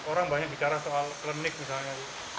orang banyak bicara soal klenik misalnya